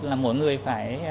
là mỗi người phải